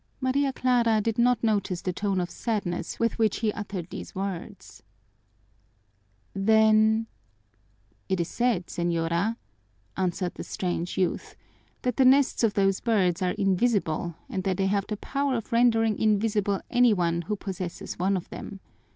Maria Clara did not notice the tone of sadness with which he uttered these words. "Then " "It is said, señora," answered the strange youth, "that the nests of those birds are invisible and that they have the power of rendering invisible any one who possesses one of them.